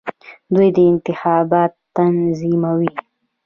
دوی انتخابات تنظیموي.